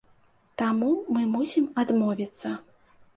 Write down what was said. Таму мы мусім адмовіцца.